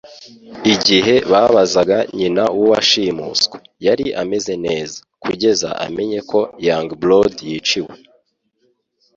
Igihe babazaga nyina w'uwashimuswe, yari ameze neza, kugeza amenye ko Youngblood yiciwe.